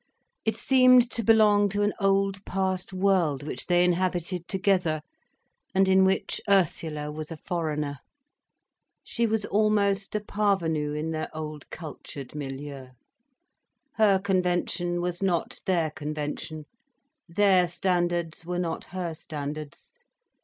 It seemed to belong to an old, past world which they had inhabited together, and in which Ursula was a foreigner. She was almost a parvenue in their old cultured milieu. Her convention was not their convention, their standards were not her standards.